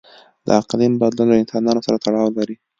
د اقلیم بدلون له انسانانو سره تړاو لري.